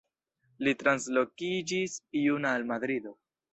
Li translokiĝis juna al Madrido.